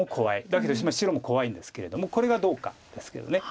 だけど白も怖いんですけれどもこれがどうかですけど。